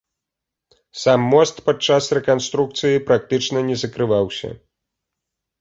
Сам мост падчас рэканструкцыі практычна не закрываўся.